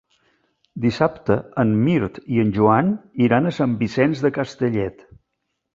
Dissabte en Mirt i en Joan iran a Sant Vicenç de Castellet.